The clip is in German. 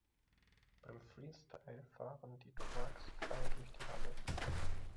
Beim Freestyle fahren die Trucks frei durch die Halle.